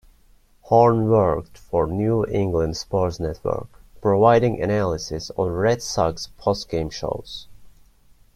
Horn worked for New England Sports Network, providing analysis on Red Sox post-game shows.